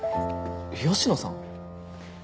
吉野さん？